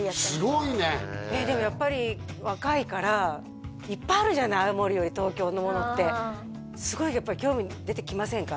すごいねでもやっぱり若いからいっぱいあるじゃない青森より東京のものってすごいやっぱり興味出てきませんか？